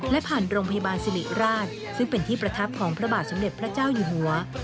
และผ่านโรงพยาบาลสิริราชซึ่งเป็นที่ประทับของพระบาทสมเด็จพระเจ้าอยู่หัว